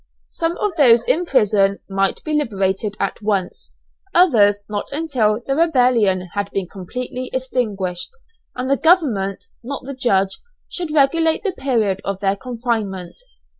Some of those in prison might be liberated at once, others not until the rebellion had been completely extinguished; and the government, not the judge, should regulate the period of their confinement.